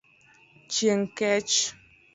Chieng kech.